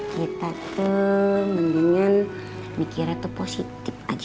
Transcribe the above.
kita tuh mendingan mikirnya tuh positif aja